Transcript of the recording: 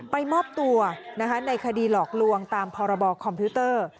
มอบตัวในคดีหลอกลวงตามพรบคอมพิวเตอร์